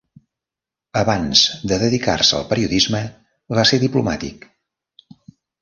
Abans de dedicar-se al periodisme va ser diplomàtic.